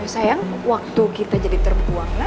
sayang waktu kita jadi terbuang lah